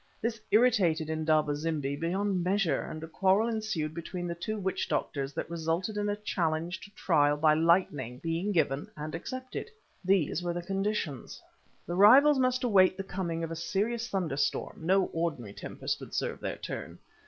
This irritated Indaba zimbi beyond measure, and a quarrel ensued between the two witch doctors that resulted in a challenge to trial by lightning being given and accepted. These were the conditions. The rivals must await the coming of a serious thunderstorm, no ordinary tempest would serve their turn.